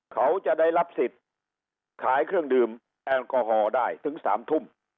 เขาจะได้รับสิทธิ์ขายเครื่องดื่มแอลกอฮอล์ได้ถึง๓ทุ่ม